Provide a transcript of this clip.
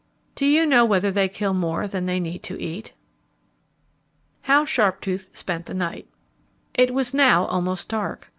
Do you know whether they kill more than they need to eat? How Sharptooth Spent the Night It was now almost dark.